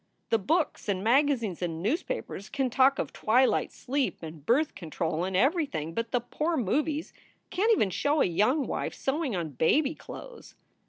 The books and magazines and newspapers can talk of twilight sleep and birth control and everything, but the poor movies can t even show a young wife sewing on baby clothes.